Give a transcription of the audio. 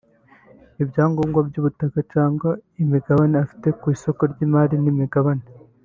ibyangombwa by’ubutaka cyangwa imigabane afite ku isoko ry’imari n’imigabane